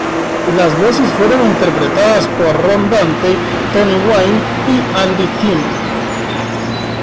Las voces fueron interpretadas por Ron Dante, Toni Wine y Andy Kim.